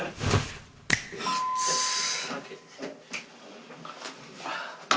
熱っ。